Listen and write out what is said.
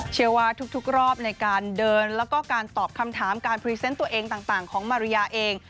เชียวาทุกทุกรอบในการเดินแล้วก็การตอบคำถามการตัวเองต่างต่างของมาริยาเอง